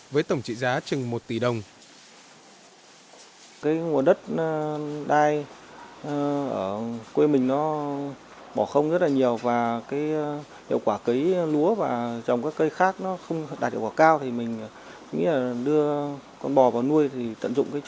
với tổng trị giá chừng một tỷ đồng